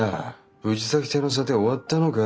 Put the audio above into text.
藤崎邸の査定終わったのか？